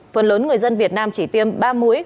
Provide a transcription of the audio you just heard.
phần lớn người dân việt nam chỉ tiêm ba mũi